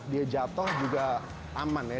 dia jatuh juga aman ya